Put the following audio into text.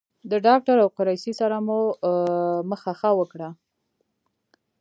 د ډاکټر او قریشي سره مو مخه ښه وکړه.